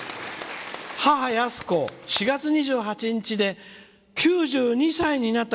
「母、やすこ、４月２８日で９２歳になった」。